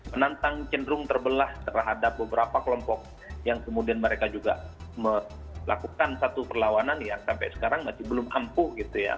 menantang cenderung terbelah terhadap beberapa kelompok yang kemudian mereka juga melakukan satu perlawanan yang sampai sekarang masih belum ampuh gitu ya